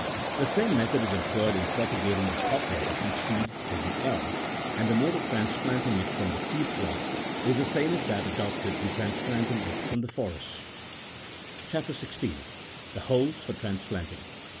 The same method is employed in propagating the poplar from seed as the elm, and the mode of transplanting it from the seed plot is the same as that adopted in transplanting it from the forests. CHAP. 16. THE HOLES FOE TEANSPLANTTNG.